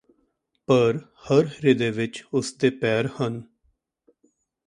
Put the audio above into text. ਪਰ ਹਰ ਹ੍ਰਿਦਯ ਵਿੱਚ ਉਸਦੇ ਪੈਰ ਹਨ